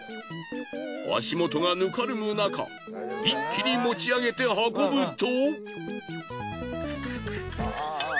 足元がぬかるむなか一気に持ち上げて運ぶと。